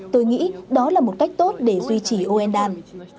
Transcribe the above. tôi nghĩ đó là một cách tốt để duy trì oendan